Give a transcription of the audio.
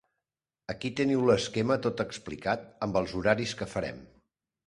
Aquí teniu l'esquema tot explicat, amb els horaris que farem.